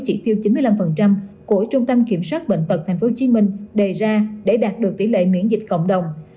chỉ tiêu chín mươi năm của trung tâm kiểm soát bệnh tật tp hcm đề ra để đạt được tỷ lệ miễn dịch cộng đồng